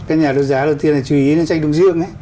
các nhà đơn giá đầu tiên là chú ý lên tranh đông dương